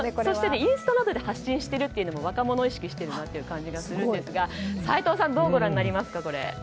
そしてインスタなどで発信しているというのも若者を意識しているなと感じがするんですが、齋藤さんどうご覧になりますか？